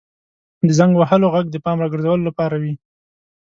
• د زنګ وهلو ږغ د پام راګرځولو لپاره وي.